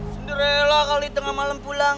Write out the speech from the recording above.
sendirilah kali tengah malem pulang